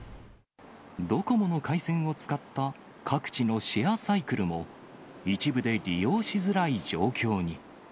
ドコモの回線を使った各地のシェアサイクルも、一部で利用しづらい状況に。